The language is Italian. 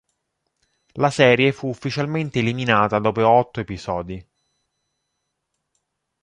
La serie fu ufficialmente eliminata dopo otto episodi.